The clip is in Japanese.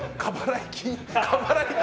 過払い金。